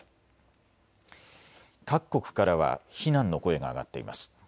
各国からは非難の声が上がっています。